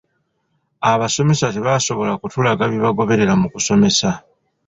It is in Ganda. Abasomesa tebaasobola kutulaga bye bagoberera mu kusomesa.